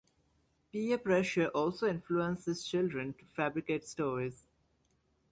Peer pressure also influences children to fabricate stories.